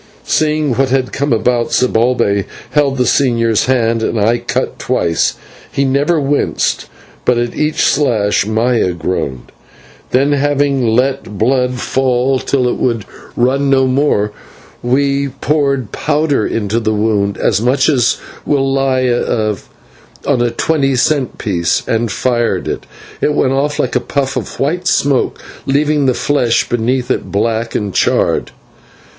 Seeing what had come about, Zibalbay held the señor's hand and I cut twice. He never winced, but at each slash Maya groaned. Then, having let the blood fall till it would run no more, we poured powder into the wound, as much as will lie on a twenty cent piece, and fired it. It went off in a puff of white smoke, leaving the flesh beneath black and charred.